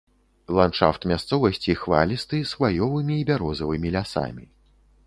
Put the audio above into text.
Ландшафт мясцовасці хвалісты з хваёвымі і бярозавымі лясамі.